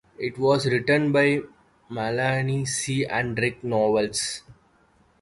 It was written by Melanie C and Rick Nowels.